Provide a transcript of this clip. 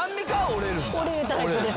折れるタイプです。